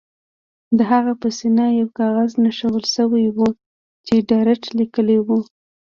د هغه په سینه یو کاغذ نښلول شوی و چې ډارت لیکلي وو